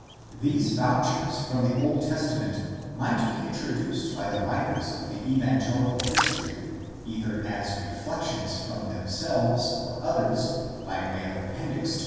These vouchers from the Old Testament might be introduced by the writers of the evangelical history either as reflections from themselves or others by way of appendix to